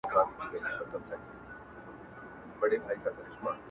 څنگه بيلتون كي گراني شعر وليكم،